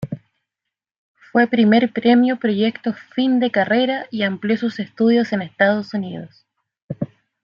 Fue primer premio proyecto Fin de Carrera y amplió sus estudios en Estados Unidos.